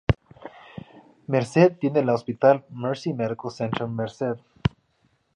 Merced tiene la hospital "Mercy Medical Center Merced".